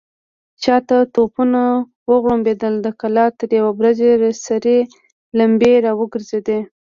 شاته توپونه وغړمبېدل، د کلا تر يوه برج سرې لمبې را وګرځېدې.